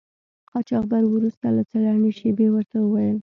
قاچاقبر وروسته له څه لنډې شیبې ورته و ویل.